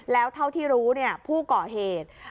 แล้วเท่าที่รู้ผู้ก่อเหตุ